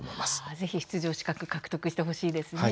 ぜひ出場資格獲得してほしいですね。